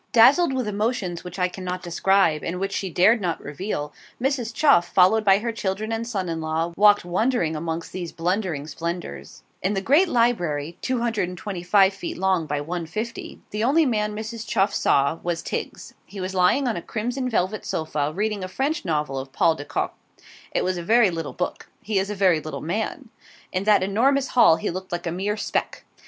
Dazzled with emotions which I cannot describe, and which she dared not reveal, Mrs. Chuff, followed by her children and son in law, walked wondering amongst these blundering splendours. In the great library (225 feet long by 150) the only man Mrs. Chuff saw, was Tiggs. He was lying on a crimson velvet sofa, reading a French novel of Paul de Kock. It was a very little book. He is a very little man. In that enormous hall he looked like a mere speck.